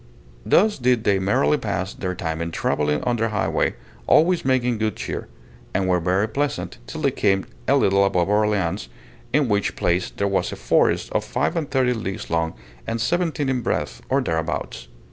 Thus did they merrily pass their time in travelling on their high way, always making good cheer, and were very pleasant till they came a little above Orleans, in which place there was a forest of five and thirty leagues long, and seventeen in breadth, or thereabouts.